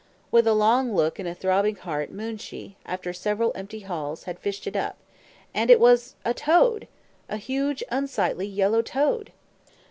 With a long look and a throbbing heart Moonshee, after several empty hauls, had fished it up; and it was a toad! a huge, unsightly, yellow toad!